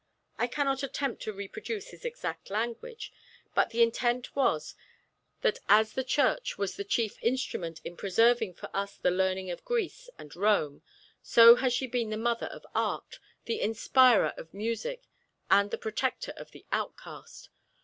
I can not attempt to reproduce his exact language; but the intent was that as the Church was the chief instrument in preserving for us the learning of Greece and Rome, so has she been the mother of art, the inspirer of music and the protector of the outcast.